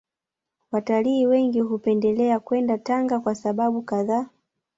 Watalii wengi hupendelea kwenda Tanga kwa sababu kadhaa